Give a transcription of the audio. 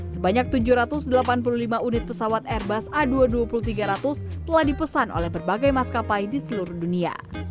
sebanyak tujuh ratus delapan puluh lima unit pesawat airbus a dua ratus dua puluh tiga ratus telah dipesan oleh berbagai maskapai di seluruh dunia